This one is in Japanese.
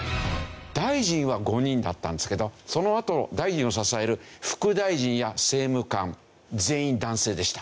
大臣は５人だったんですけどそのあと大臣を支える副大臣や政務官全員男性でした。